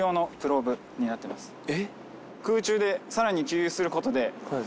えっ？